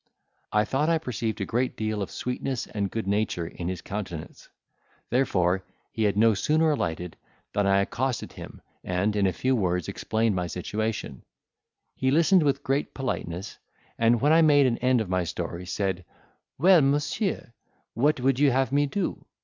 I thought I perceived a great deal of sweetness and good nature in his countenance; therefore he had no sooner alighted than I accosted him, and, in a few words, explained my situation: he listened with great politeness, and, when I made an end of my story, said, "Well, monsieur, what would you have me to do?"